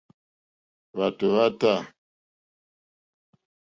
Hwàtò hwá tâ.